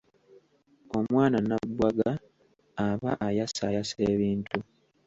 Omwana Nabbwaaga aba ayasaayasa ebintu.